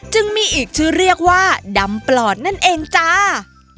จึงมีอีกชื่อเรียกว่าดำปลอดนั่นเองจ้า